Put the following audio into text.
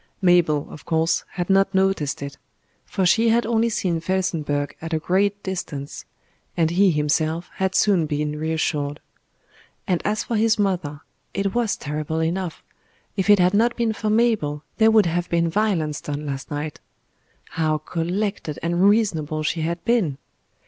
Mabel, of course, had not noticed it; for she had only seen Felsenburgh at a great distance; and he himself had soon been reassured. And as for his mother it was terrible enough; if it had not been for Mabel there would have been violence done last night. How collected and reasonable she had been!